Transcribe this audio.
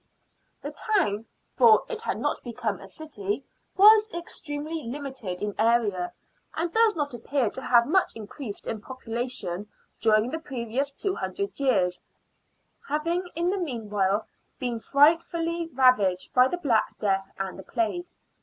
The town — for it had not become a city — was extremely limited in area, and does not appear to have much increased in population during the previous two hundred years, having in the meanwhile been frightfully ravaged by the Black Death and the Plague.